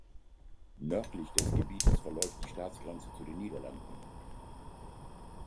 Nördlich des Gebietes verläuft die Staatsgrenze zu den Niederlanden.